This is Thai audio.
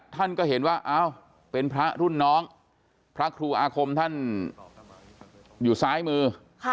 ท่านก็เห็นว่าเป็นพระรุ่นน้องพระครูอาคมท่านอยู่ซ้ายมือ